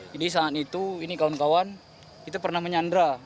jadi saat itu ini kawan kawan kita pernah menyandra